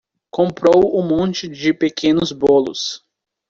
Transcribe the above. Comprou um monte de pequenos bolos